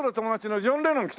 ジョン・レノン来た？